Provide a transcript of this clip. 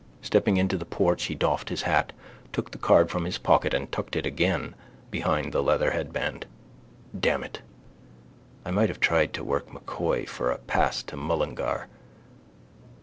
Stepping into the porch he doffed his hat, took the card from his pocket and tucked it again behind the leather headband. Damn it. I might have tried to work M'Coy for a pass to Mullingar.